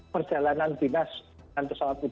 perjalanan binas dan pesawat udara